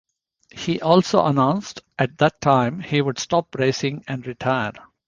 He also announced at that time he would stop racing and retire.